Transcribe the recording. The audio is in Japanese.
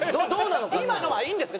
今のはいいんですか？